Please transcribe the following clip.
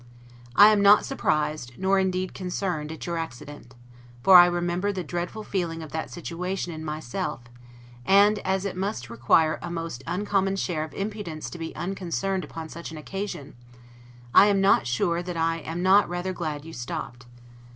I am not surprised, nor indeed concerned, at your accident; for I remember the dreadful feeling of that situation in myself; and as it must require a most uncommon share of impudence to be unconcerned upon such an occasion, I am not sure that I am not rather glad you stopped.